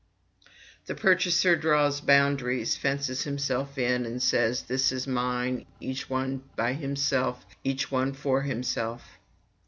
The purchaser draws boundaries, fences himself in, and says, "This is mine; each one by himself, each one for himself."